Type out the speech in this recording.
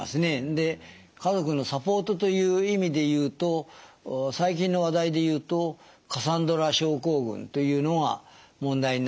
で家族のサポートという意味で言うと最近の話題で言うとカサンドラ症候群というのが問題になると思います。